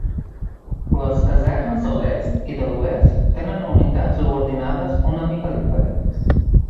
Les casernes de l'Est i de l'Oest tenen unitats subordinades una mica diferents.